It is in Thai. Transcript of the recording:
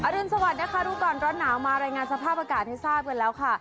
รุนสวัสดินะคะรู้ก่อนร้อนหนาวมารายงานสภาพอากาศให้ทราบกันแล้วค่ะ